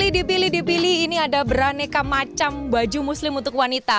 dipilih dipilih ini ada beraneka macam baju muslim untuk wanita